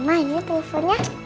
om ma ini ya teleponnya